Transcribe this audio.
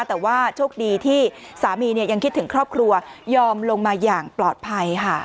แต่ว่าโชคดีที่สามียังคิดถึงครอบครัวยอมลงมาอย่างปลอดภัยค่ะ